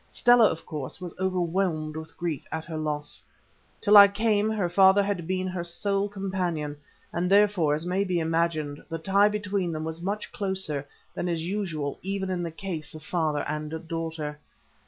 Stella, of course, was overwhelmed with grief at her loss. Till I came her father had been her sole companion, and therefore, as may be imagined, the tie between them was much closer than is usual even in the case of father and daughter.